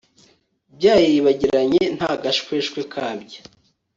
byaribagiranye, nta gashweshwe kabyo»